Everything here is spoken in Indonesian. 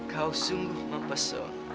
kau sungguh mempeso